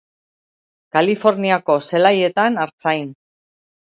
Kaliforniako zelaietan artzain.